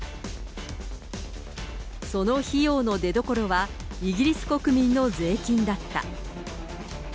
その費用の出どころはイギリス国民の税金だった。